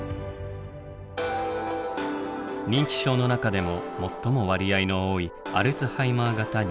認知症の中でも最も割合の多いアルツハイマー型認知症。